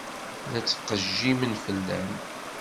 La ttqejjimen fell-am.